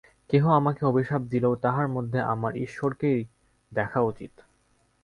কেহ আমাকে অভিশাপ দিলেও তাহার মধ্যে আমার ঈশ্বরকেই দেখা উচিত।